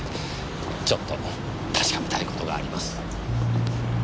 ちょっと確かめたい事があります。